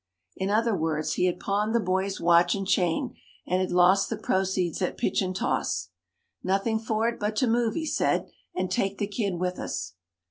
In other words, he had pawned the boy's watch and chain, and had lost the proceeds at pitch and toss. "Nothing for it but to move," he said, "and take the kid with us."